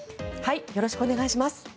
よろしくお願いします。